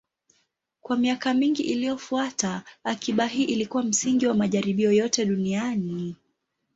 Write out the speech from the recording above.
Kwa miaka mingi iliyofuata, akiba hii ilikuwa msingi wa majaribio yote duniani.